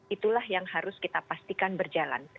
itulah yang harus kita pastikan berjalan